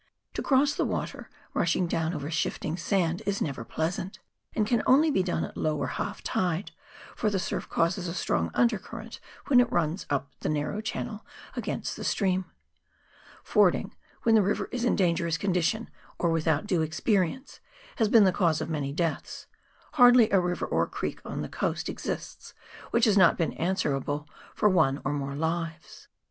To cross the water, rushing down over shifting sand, is never pleasant, and can only be done at low or half tide, for the surf causes a strong undercurrent when it runs up the narrow channel against the stream. Fording, when the river is in dangerous condition, or without due experience, has been the cause of many deaths ; hardly a river or creek on the coast exists which has not been answerable for one or more lives.